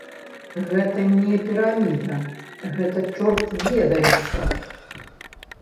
Гэта не піраміда, гэта чорт ведае што.